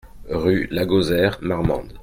Rue Lagauzère, Marmande